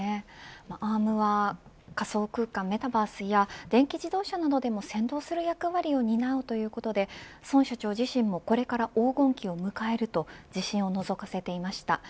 アームは仮想空間メタバースや電気自動車などでも先導する役割を担うということで孫社長自身もこれから黄金期を迎えると自信をのぞかせていました。